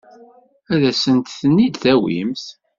Ad asent-ten-id-tawimt?